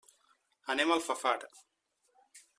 Anem a Alfafar.